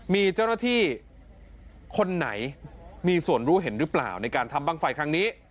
มีเจ้าหน้าที่คนไหนมีส่วนรู้เห็นหรือเปล่าในการทำบ้างไฟครั้งนี้